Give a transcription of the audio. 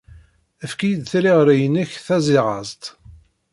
Efk-iyi-d tiliɣri-inek tazirazt.